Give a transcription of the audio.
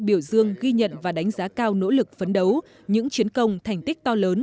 biểu dương ghi nhận và đánh giá cao nỗ lực phấn đấu những chiến công thành tích to lớn